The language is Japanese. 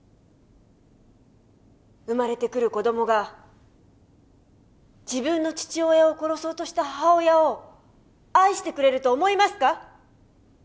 生まれてくる子どもが自分の父親を殺そうとした母親を愛してくれると思いますか？